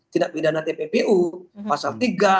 tindak pidana tppu pasal tiga